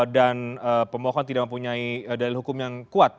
dan pemohon tidak mempunyai dalil hukum yang kuat